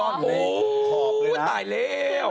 โอ้โฮตายแล้ว